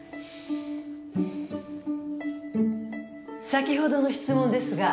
先ほどの質問ですが。